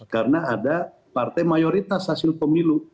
karena ada partai mayoritas hasil pemilu